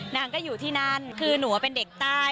นางก็อยู่ที่นั่นคือหนูเป็นเด็กใต้